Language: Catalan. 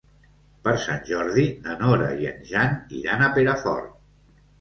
Per Sant Jordi na Nora i en Jan iran a Perafort.